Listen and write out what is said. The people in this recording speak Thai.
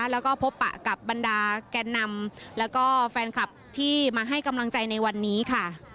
แล้วก็พบปะกับบรรดาแกนนำแล้วก็แฟนคลับที่มาให้กำลังใจในวันนี้ค่ะ